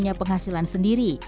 nila punya penghasilan sendiri